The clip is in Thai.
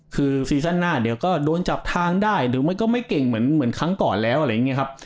คือซีซั่นหน้าเดี๋ยวก็โดนจับทางได้หรือมันก็ไม่เก่งเหมือนครั้งก่อนแล้วอะไรอย่างนี้ครับ